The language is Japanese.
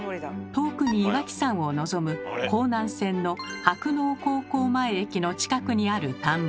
遠くに岩木山を望む弘南線の柏農高校前駅の近くにある田んぼ。